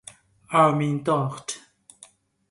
اَرمیندخت